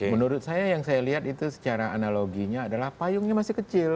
menurut saya yang saya lihat itu secara analoginya adalah payungnya masih kecil